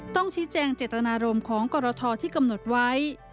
ต้องชี้แจงเจตนารมณ์ของกรทที่กำหนดไว้